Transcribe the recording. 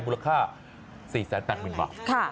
มูลค่า๔๘๐๐๐บาท